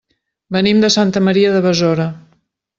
Venim de Santa Maria de Besora.